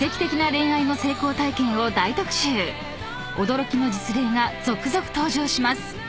［驚きの実例が続々登場します］